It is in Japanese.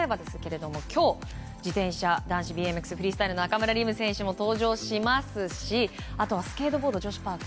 今日、自転車男子ＢＭＸの中村輪夢選手も登場しますしスケートボード女子パーク。